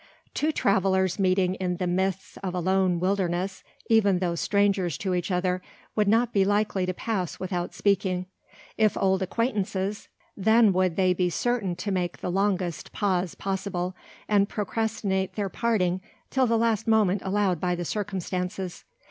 Two travellers meeting in the midst of a lone wilderness, even though strangers to each other, would not be likely to pass without speaking. If old acquaintances, then would they be certain to make the longest pause possible, and procrastinate their parting till the last moment allowed by the circumstances.